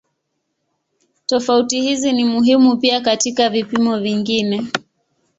Tofauti hizi ni muhimu pia katika vipimo vingine.